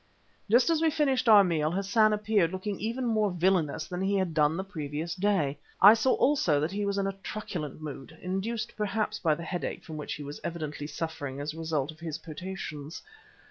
Just as we finished our meal Hassan appeared, looking even more villainous than he had done the previous day. I saw also that he was in a truculent mood, induced perhaps by the headache from which he was evidently suffering as a result of his potations.